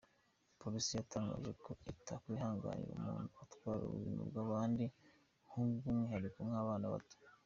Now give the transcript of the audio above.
Polisi yatangaje ko itakwihanganira umuntu utwara ubuzima bw’abandi by’umwihariko ubw’abana bato.